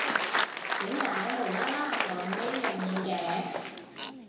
點解無啦啦講呢樣嘢嘅？